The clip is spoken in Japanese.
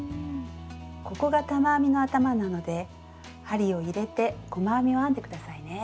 ここが玉編みの頭なので針を入れて細編みを編んで下さいね。